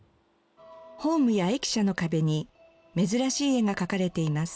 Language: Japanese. ホームや駅舎の壁に珍しい絵が描かれています。